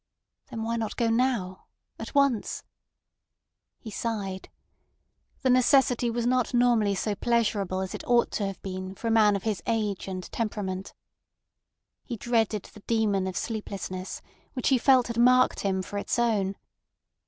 Then why not go now—at once? He sighed. The necessity was not so normally pleasurable as it ought to have been for a man of his age and temperament. He dreaded the demon of sleeplessness, which he felt had marked him for its own.